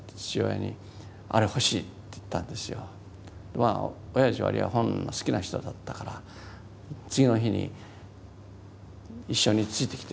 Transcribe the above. まあおやじは割合本の好きな人だったから次の日に一緒に付いてきてくれました。